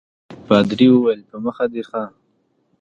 پادري وویل په مخه دي ښه.